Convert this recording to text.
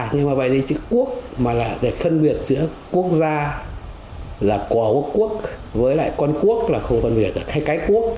nhưng mà vậy thì chữ quốc mà là để phân biệt giữa quốc gia là cỏ quốc quốc với lại con quốc là không phân biệt là cái quốc